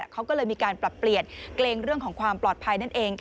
เขาก็เลยมีการปรับเปลี่ยนเกรงเรื่องของความปลอดภัยนั่นเอง